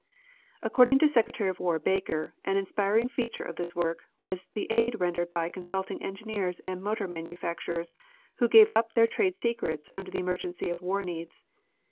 According to Secretary of War Baker, an inspiring feature of this work was the aid rendered by consulting engineers and motor manufacturers, who gave up their trade secrets under the emergency of war needs.